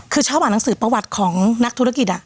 คือชอบอ่านหนังสือประวัติของนักธุรกิจ